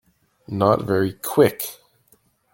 Not very Quick.